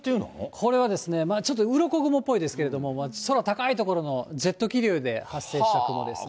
これはですね、ちょっとうろこ雲っぽいですけど、空高い所のジェット気流で発生した雲ですね。